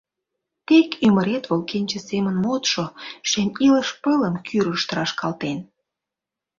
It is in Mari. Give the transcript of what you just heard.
Тек ӱмырет волгенче семын модшо, Шем илыш пылым кӱрышт рашкалтен!